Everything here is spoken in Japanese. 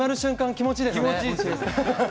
気持ちいいですね。